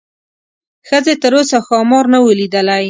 ښځې تر اوسه ښامار نه و لیدلی.